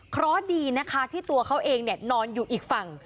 เพราะดีนะคะที่ตัวเขาเองนอนอยู่อีกฝั่ง